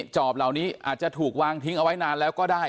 จอบเหล่านี้อาจจะถูกวางทิ้งเอาไว้นานแล้วก็ได้